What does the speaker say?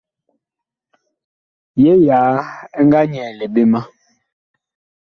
Yee yaa ɛ nga nyɛɛle ɓe ma.